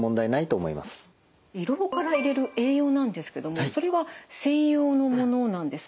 胃ろうから入れる栄養なんですけどもそれは専用のものなんですか？